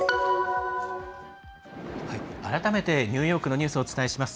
改めてニューヨークのニュースをお伝えします。